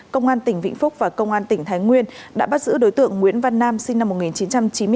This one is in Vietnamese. công an tỉnh vĩnh phúc và công an tỉnh thái nguyên đã bắt giữ đối tượng nguyễn văn nam sinh năm một nghìn chín trăm chín mươi bốn